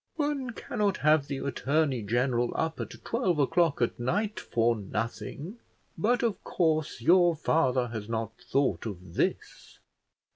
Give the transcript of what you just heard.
"One cannot have the attorney general up at twelve o'clock at night for nothing; but of course your father has not thought of this."